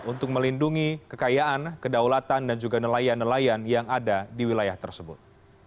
untuk melindungi kekayaan kedaulatan dan juga nelayan nelayan yang ada di wilayah tersebut